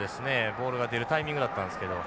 ボールが出るタイミングだったんですけど。